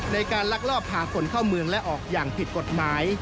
ลักลอบพาคนเข้าเมืองและออกอย่างผิดกฎหมาย